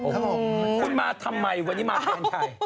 โอ้โหคุณมาทำไมวันนี้มาแทนใคร